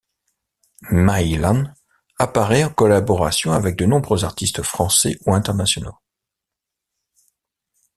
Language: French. Mai Lan apparaît en collaboration avec de nombreux artistes français ou internationaux.